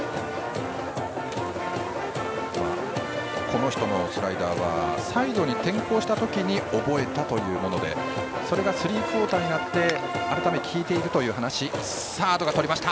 この人のスライダーはサイドに転向したときに覚えたというものでそれがスリークオーターになって改めて効いているという話。